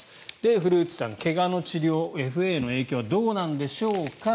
古内さん、怪我の治療ＦＡへの影響はどうなんでしょうか。